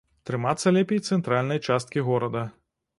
Трымацца лепей цэнтральнай часткі горада.